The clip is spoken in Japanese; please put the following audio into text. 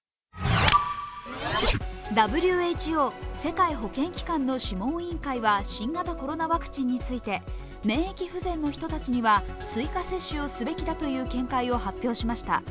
ＷＨＯ＝世界保健機関の諮問委員会は新型コロナワクチンについて免疫不全の人たちには追加接種をすべきだという見解を発表しました。